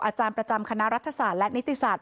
อาจารย์ประจำคณะรัฐศาสตร์และนิติศาสต